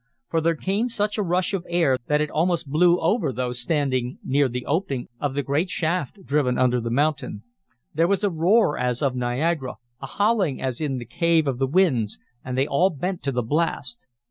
For there came such a rush of air that it almost blew over those standing near the opening of the great shaft driven under the mountain. There was a roar as of Niagara, a howling as in the Cave of the Winds, and they all bent to the blast.